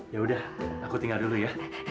yaudah aku tinggal dulu ya